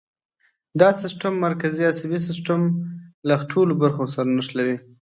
دا سیستم مرکزي عصبي سیستم له ټولو برخو سره نښلوي.